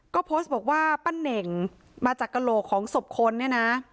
ก็โพสต์บอกว่าปั้นเน่งมาจากกระโหลกของศพคนเนี่ยนะ